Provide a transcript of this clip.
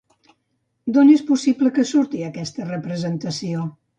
D'on és possible que surti aquesta representació?